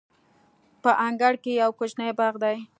په انګړ کې یو کوچنی باغ دی.